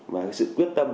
và sự quyết tâm